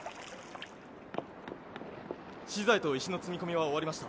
資材と石の積み込みは終わりました。